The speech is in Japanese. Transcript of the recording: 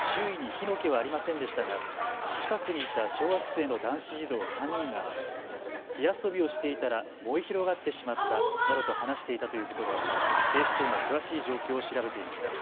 周囲に火の気はありませんでしたが近くにいた小学生の男子児童３人が火遊びをしていたら燃え広がってしまったなどと話していたということで警視庁が詳しい状況を調べていました。